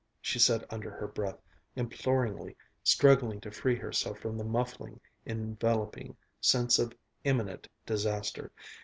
she said under her breath, imploringly, struggling to free herself from the muffling, enveloping sense of imminent disaster.